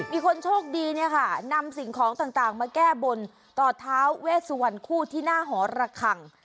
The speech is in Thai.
มีคนโชคดีเนี่ยค่ะนำสิ่งของต่างมาแก้บนต่อท้าเวสวรรณคู่ที่หน้าหอระคัง